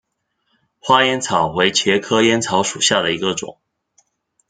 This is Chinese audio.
花烟草为茄科烟草属下的一个种。